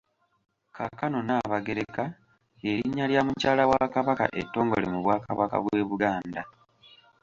Kaakano Nnaabagereka lye linnya lya Mukyala wa Kabaka ettongole mu Bwakabaka bw'e Buganda.